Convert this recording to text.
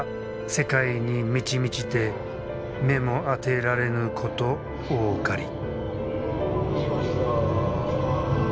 世界に満ち満ちて目も当てられぬ事多かり」。